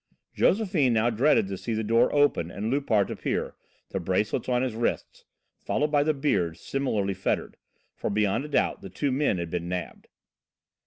Josephine now dreaded to see the door open and Loupart appear, the bracelets on his wrists, followed by the Beard, similarly fettered, for beyond a doubt the two men had been nabbed.